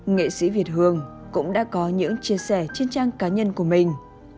nghệ sĩ việt hương cũng đã có những chia sẻ trên trang cá nhân của mình